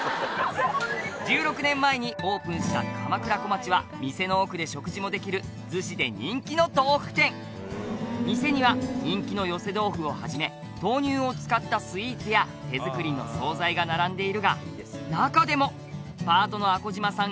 「１６年前にオープンした鎌倉小町は店の奥で食事もできる逗子で人気の豆腐店」「店には人気の寄せ豆腐をはじめ豆乳を使ったスイーツや手作りの総菜が並んでいるが中でもパートの阿子島さん